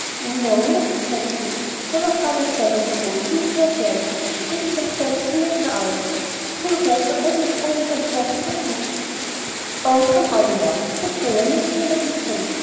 "N o, not exactly. I was rather glad, on the whole, to meet her again. She isn't as bad as we made her out. School girls are almost always unjust to their teachers." "Oh, come, now," said Clover, making a little face.